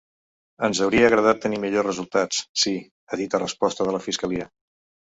Ens hauria agradat tenir millors resultats, sí, ha dit a resposta de la fiscalia.